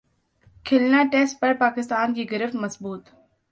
کھلنا test پر پاکستان کی گرفت مضبوط